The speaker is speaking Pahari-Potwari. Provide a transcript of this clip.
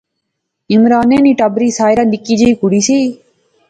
عمرانے نی ٹبری ساحرہ نکی جئی کڑی سی